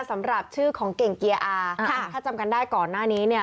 สำหรับชื่อของเก่งเกียร์อาค่ะถ้าจำกันได้ก่อนหน้านี้เนี่ย